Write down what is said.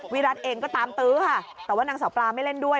วิรัติเองก็ตามตื้อค่ะแต่ว่านางสาวปลาไม่เล่นด้วย